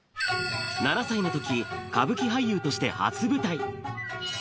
７歳のとき、歌舞伎俳優として初舞台。